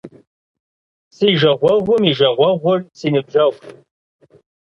Си жагъуэгъум и жагъуэгъур - си ныбжьэгъущ.